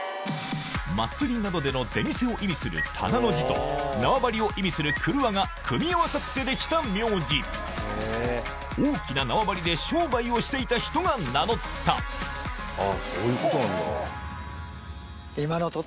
祭りなどでの出店を意味する「店」の字と縄張りを意味する「曲輪」が組み合わさって出来た名字大きな縄張りで商売をしていた人が名乗ったそういうことなんだ。